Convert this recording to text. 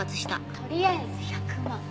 とりあえず１００万。